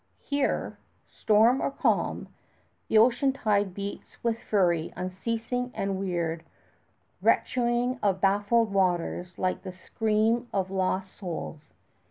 Here, storm or calm, the ocean tide beats with fury unceasing and weird reëchoing of baffled waters like the scream of lost souls.